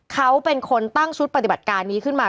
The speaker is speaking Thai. เขาเป็นคนตั้งชุดปฏิบัติการนี้ขึ้นมา